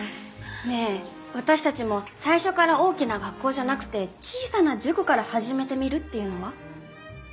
ねえ私たちも最初から大きな学校じゃなくて小さな塾から始めてみるっていうのは？